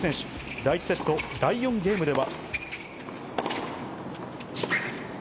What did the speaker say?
第１セット第４ゲームでは。